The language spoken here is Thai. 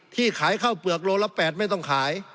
ที่ขายข้าวเปลือกโลละ๘ไม่ต้องขาย